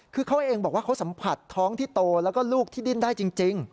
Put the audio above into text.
คือเขาเองบอกว่าเขาสัมผัสท้องที่โตแล้วก็ลูกที่ดิ้นได้จริง